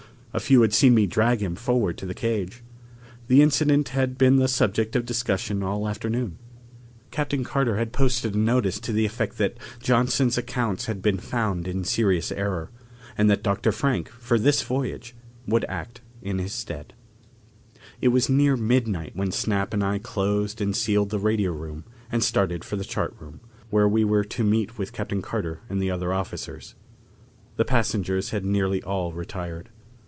A few had seen me drag him forward to the cage. The incident had been the subject of discussion all afternoon. Captain Carter had posted a notice to the effect that Johnson's accounts had been found in serious error, and that Dr. Frank for this voyage would act in his stead. It was near midnight when Snap and I closed and sealed the radio room and started for the chart room, where we were to meet with Captain Carter and the other officers. The passengers had nearly all retired.